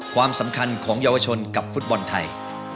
ความสำคัญของเยาวชนกับฟุตบอลไทย